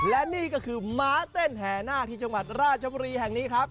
และนี่ก็คือม้าเต้นแห่หน้าที่จังหวัดราชบุรีแห่งนี้ครับ